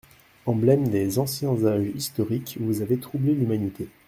Emblèmes des anciens âges historiques, vous avez troublé l'humanité.